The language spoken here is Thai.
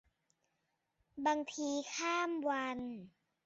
บางทีข้ามวัน